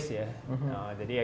jadi ya kita harus gantiin ya